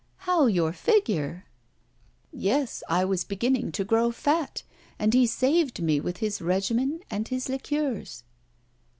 "How, your figure?" "Yes, I was beginning to grow fat, and he saved me with his regimen and his liqueurs."